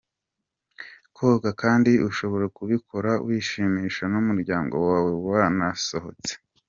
Koga kandi ushobora kubikora wishimisha n’umuryango wawe mwasohotse.